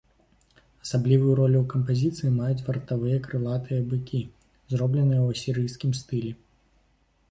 Асаблівую ролю ў кампазіцыі маюць вартавыя крылатыя быкі, зробленыя ў асірыйскім стылі.